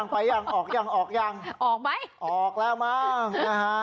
ไปยังออกยังออกมาก